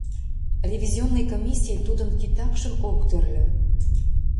Ревизионный комиссий тудын титакшым ок тӧрлӧ.